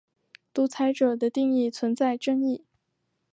独裁者的定义存在争议。